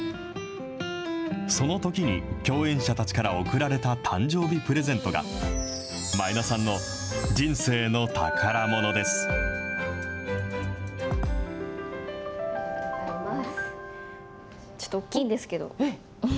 そのときに共演者たちから贈られた誕生日プレゼントが前田さんの人生の宝ものです。